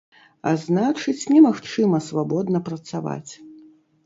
А значыць, немагчыма свабодна працаваць.